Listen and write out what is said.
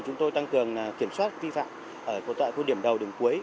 chúng tôi tăng cường kiểm soát vi phạm ở một loại khu điểm đầu đường cuối